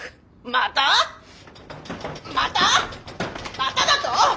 まただと！？